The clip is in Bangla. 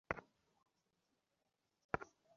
মনযোগ দিয়ে শুনেন, সরকারি নোটিশ।